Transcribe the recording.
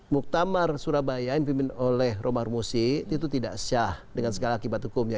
muktamar surabaya yang dimimpin oleh romar musi itu tidak sah dengan segala akibat hukumnya